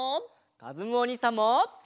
かずむおにいさんも。